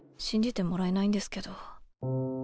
信じてもらえないんですけど。